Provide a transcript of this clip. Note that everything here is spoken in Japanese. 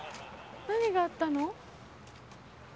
何があったの？